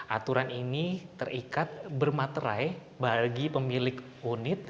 aturan ini terikat bermaterai bagi pemilik unit